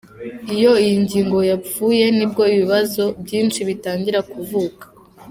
Iyo iyi ngingo yapfuye nibwo ibibazo binshi bitangira kuvuka.